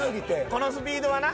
このスピードはな。